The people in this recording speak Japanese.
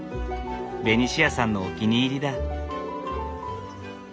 ベニシアさんのお気に入りだ。